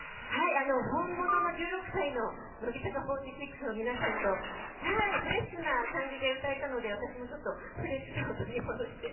本物の１６歳の乃木坂４６の皆さんと、フレッシュな感じで歌えたので、私もちょっと、フレッシュさを取り戻して。